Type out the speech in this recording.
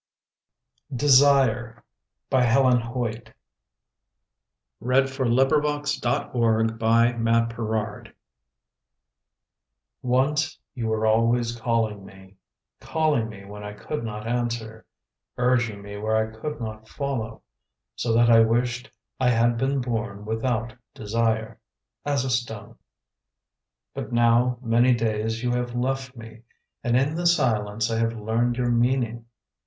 preading out my gay dress over the floor. 44 HELEN HOYT DESIRE Once you were always calling me, Calling me when I could not answer, Urging me where I could not follow â So that I wished I had been bom without desire, As a stone. But now many days you have left me. And in the silence I have learned your meaning.